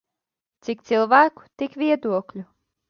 Cik cilvēku tik viedokļu.